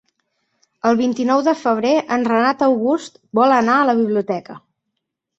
El vint-i-nou de febrer en Renat August vol anar a la biblioteca.